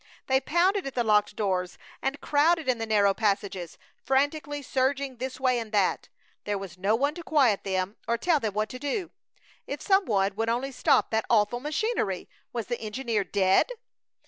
They pounded at the locked doors and crowded in the narrow passages, frantically surging this way and that. There was no one to quiet them or tell them what to do. If some one would only stop that awful machinery! Was the engineer dead?